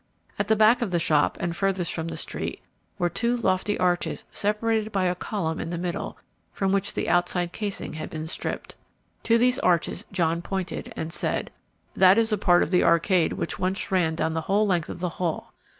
At the back of the shop, and furthest from the street, were two lofty arches separated by a column in the middle, from which the outside casing had been stripped. To these arches John pointed and said, "That is a part of the arcade which once ran down the whole length of the hall.